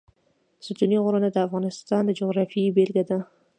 ستوني غرونه د افغانستان د جغرافیې بېلګه ده.